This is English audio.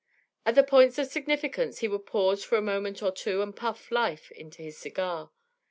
At the points of significance he would pause for a moment or two and puff life into his cigar.